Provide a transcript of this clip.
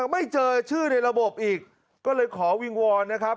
ไม่เจอชื่อในระบบอีกก็เลยขอวิงวอนนะครับ